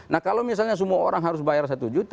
nah kalau misalnya semua orang harus bayar satu juta